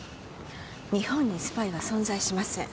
日本にスパイは存在しません。